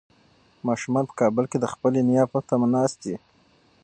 ماشومان په کابل کې د خپلې نیا په تمه ناست دي.